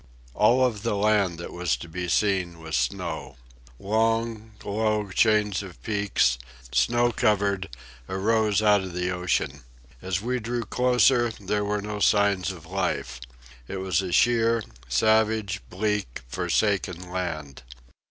All of the land that was to be seen was snow. Long, low chains of peaks, snow covered, arose out of the ocean. As we drew closer, there were no signs of life. It was a sheer, savage, bleak, forsaken land.